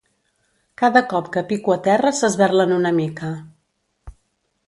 Cada cop que pico a terra s'esberlen una mica.